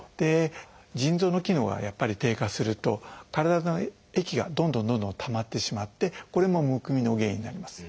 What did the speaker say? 腎臓の機能がやっぱり低下すると体の液がどんどんどんどんたまってしまってこれもむくみの原因になります。